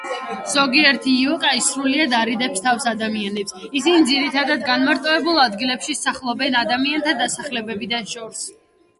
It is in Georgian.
ზოგიერთი იოკაი სრულიად არიდებს თავს ადამიანებს; ისინი ძირითადად განმარტოებულ ადგილებში სახლობენ ადამიანთა დასახლებებიდან შორს.